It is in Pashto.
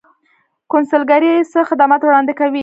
کونسلګرۍ څه خدمات وړاندې کوي؟